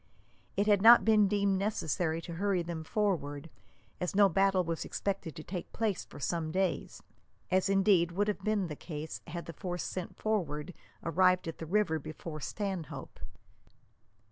It had not been deemed necessary to hurry them forward, as no battle was expected to take place for some days as, indeed, would have been the case had the force sent forward arrived at the river before Stanhope.